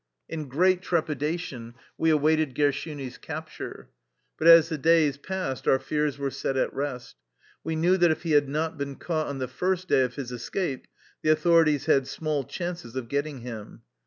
In great trepidation we awaited Gershuni's capture. But as the days passed our fears were set at rest. We knew that if he had not been caught on the first day of his escape the authori ties had small chances of getting him.